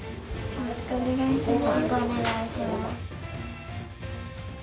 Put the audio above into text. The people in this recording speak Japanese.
よろしくお願いします。